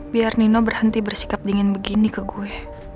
biar nino berhenti bersikap dingin begini ke gue